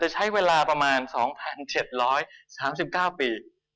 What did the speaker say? ใช้เวลาประมาณ๒๗๓๙ปี